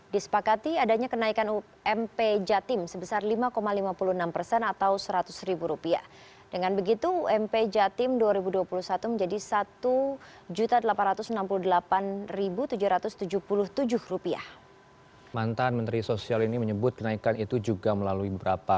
disepakati adanya kenaikan ump jatim sebesar lima lima puluh enam persen atau rp seratus